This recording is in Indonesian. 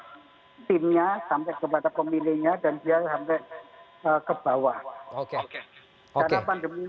karena pandemi ini energinya tingkat sekali